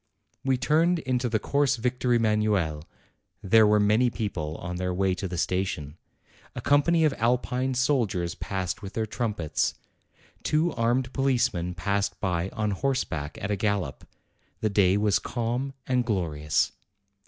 We turned into the Course Victor Emanuel; there were many people on their way to the station. A company of Alpine soldiers passed with their trumpets. Two armed policemen passed by on horseback at a gallop. The day was calm and glorious.